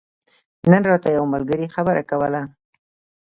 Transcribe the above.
نن راته يو ملګري خبره کوله